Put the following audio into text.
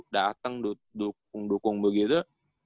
dateng dukung dukung begitu